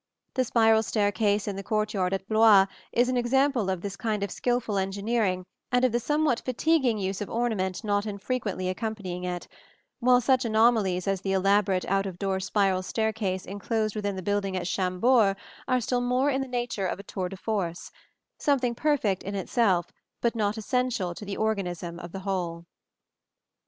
The spiral staircase in the court yard at Blois is an example of this kind of skilful engineering and of the somewhat fatiguing use of ornament not infrequently accompanying it; while such anomalies as the elaborate out of door spiral staircase enclosed within the building at Chambord are still more in the nature of a tour de force, something perfect in itself, but not essential to the organism of the whole.